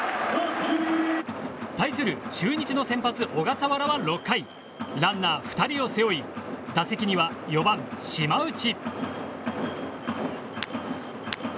対する中日の先発、小笠原は６回ランナー２人を背負い打席には４番、島内。